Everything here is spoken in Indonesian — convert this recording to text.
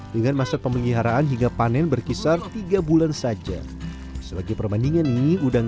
dengan masa pemeliharaan hingga panen berkisar tiga bulan saja sebagai perbandingan nih udang